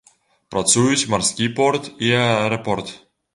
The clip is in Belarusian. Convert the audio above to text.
Працуюць марскі порт і аэрапорт.